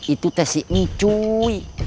itu teh ini cuy